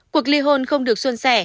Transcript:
cuộc ly hôn không được xuân xẻ